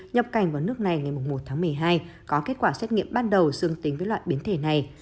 nhập cảnh vào nước này ngày một tháng một mươi hai có kết quả xét nghiệm ban đầu dương tính với loại biến thể này